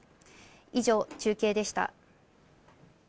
以上、中継でした。